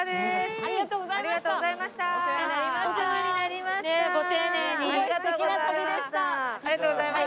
ありがとうございます。